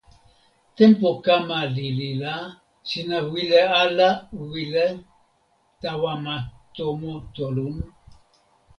tenpo kama lili la, sina wile ala wile tawa ma tomo Tolun?